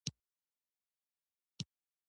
جانداد د هېلو رڼا لمع کوي.